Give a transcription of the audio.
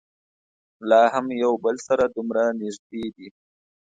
لا هم یو بل سره دومره نږدې دي.